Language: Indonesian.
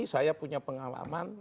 saya punya pengalaman